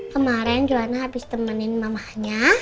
kemaren joanna habis temenin mamahnya